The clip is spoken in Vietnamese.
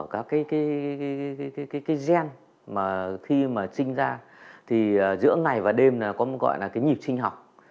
các cái gen mà khi mà sinh ra thì giữa ngày và đêm có một gọi là cái nhịp sinh học